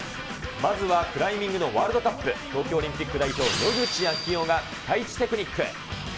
まずは、クライミングのワールドカップ、東京オリンピック代表、野口啓代がピカイチテクニック。